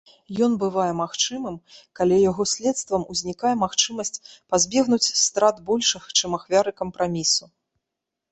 Ён бывае магчымым, калі яго следствам узнікае магчымасць пазбегнуць страт большых, чым ахвяры кампрамісу.